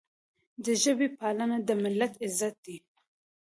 د ژبې پالنه د ملت عزت دی.